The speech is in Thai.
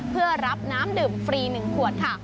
เพื่อรับน้ำดื่มฟรี๑ขวดค่ะ